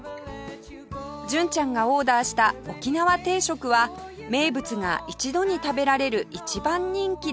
純ちゃんがオーダーした沖縄定食は名物が一度に食べられる一番人気です